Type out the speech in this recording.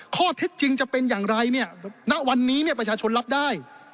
ข้อเท็จจริงจะเป็นอย่างไรเนี่ยณวันนี้เนี่ยประชาชนรับได้